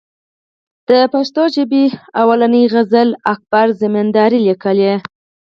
د پښتو ژبي لومړنۍ غزل اکبر زمینداوري ليکلې